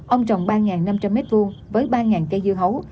ông trồng ba năm trăm linh mét vuông với ba cây dưa hấu